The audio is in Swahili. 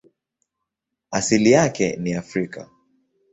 Asili yake ni Afrika.